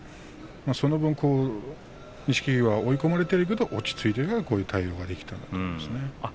その分、錦木は追い込まれているけど落ち着いているからこのような対応ができたんですね。